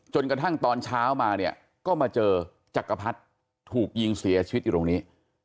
จนกระทั่งตอนเช้ามาเนี่ยก็มาเจอจักรพรรดิถูกยิงเสียชีวิตอยู่ตรงนี้